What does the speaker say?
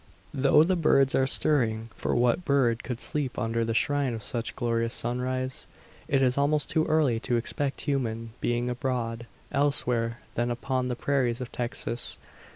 Though the birds are stirring for what bird could sleep under the shine of such glorious sunrise? it is almost too early to expect human being abroad elsewhere than upon the prairies of Texas.